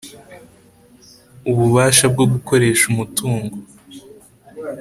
ububasha bwo gukoresha umutungo